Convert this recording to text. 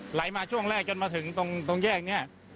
ไหลมาช่วงแรกจนมาถึงตรงแยกนี้